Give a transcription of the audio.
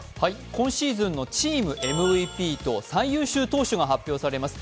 今シーズンのチームＭＶＰと最優秀投手が発表されます。